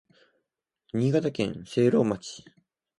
新潟県聖籠町